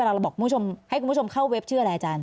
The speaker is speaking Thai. เราบอกคุณผู้ชมให้คุณผู้ชมเข้าเว็บชื่ออะไรอาจารย